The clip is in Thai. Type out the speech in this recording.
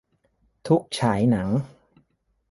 ทุกฉายหนัง